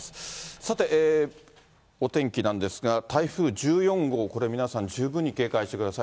さて、お天気なんですが、台風１４号、これ、皆さん、十分に警戒してください。